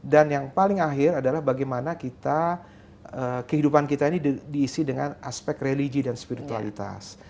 dan yang paling akhir adalah bagaimana kita kehidupan kita ini diisi dengan aspek religi dan spiritualitas